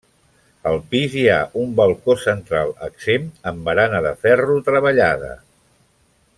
Al pis hi ha un balcó central exempt, amb barana de ferro treballada.